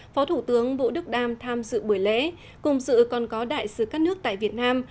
phó thủ tướng vũ đức đam tham dự buổi lễ cùng dự còn có đại sứ các nước tại việt nam